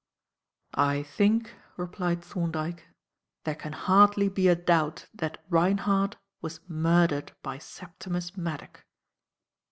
"I think," replied Thorndyke, "there can hardly be a doubt that Reinhardt was murdered by Septimus Maddock."